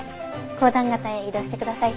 公団型へ移動してください。